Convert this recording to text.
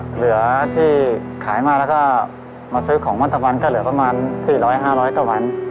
เหลือที่ขายมาแล้วก็มาซื้อของวันตะวันก็เหลือประมาณ๔๐๐๕๐๐ต่อวัน